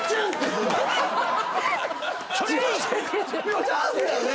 今チャンスだよね。